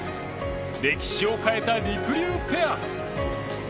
歴史を変えたりくりゅうペア。